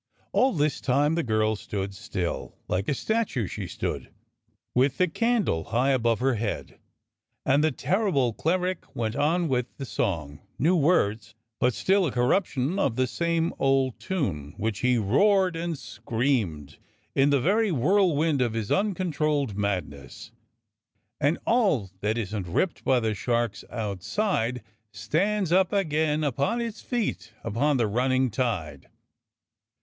All this time the girl stood still. Like a statue she stood, with the candle high above her head; and the terrible cleric went on with the song: new words, but still a corruption of the same old tune, which he roared and screamed in the very whirlwind of his uncon trolled madness: "And all that isn't ripped by the sharks outside Stands up again upon its feet upon the running tide."